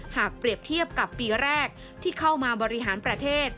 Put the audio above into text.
หากเปรียบเทียบกับปีแรกที่เข้ามาบริหารประเทศ